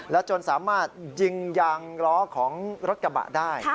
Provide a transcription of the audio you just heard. จนสามารถยิงยางล้อของรถกระบะได้